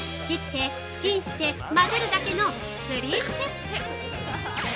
切ってチンして混ぜるだけの、スリーステップ！